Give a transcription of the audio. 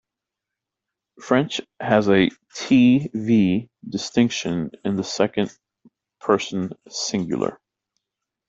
French has a T-V distinction in the second person singular.